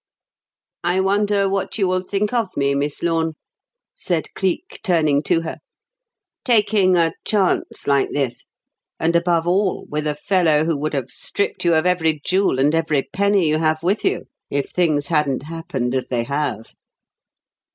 "I wonder what you will think of me, Miss Lorne," said Cleek, turning to her; "taking a chance like this; and, above all, with a fellow who would have stripped you of every jewel and every penny you have with you if things hadn't happened as they have?"